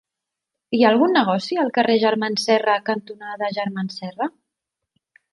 Hi ha algun negoci al carrer Germans Serra cantonada Germans Serra?